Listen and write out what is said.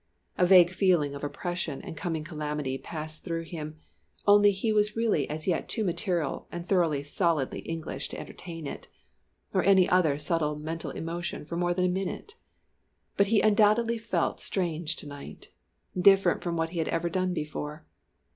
A vague feeling of oppression and coming calamity passed through him, only he was really as yet too material and thoroughly, solidly English to entertain it, or any other subtle mental emotion for more than a minute. But he undoubtedly felt strange to night; different from what he had ever done before.